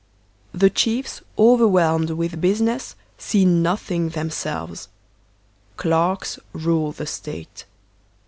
The chiefs, overwhelmed with business, see nothing themselves; clerks THE PEOPLE 4» rule the State.